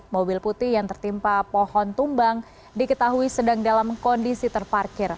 mobil putih yang tertimpa pohon tumbang diketahui sedang dalam kondisi terparkir